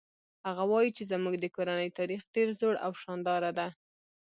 هغه وایي چې زموږ د کورنۍ تاریخ ډېر زوړ او شانداره ده